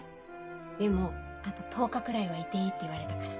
でもあと１０日くらいはいていいって言われたから。